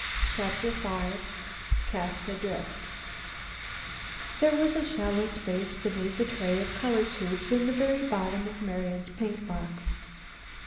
CHAPTER V CAST ADRIFT There was a shallow space beneath a tray of color tubes in the very bottom of Marian's paint box.